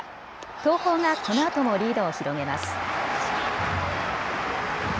東邦がこのあともリードを広げます。